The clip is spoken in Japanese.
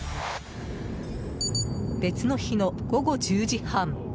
別の日の午後１０時半。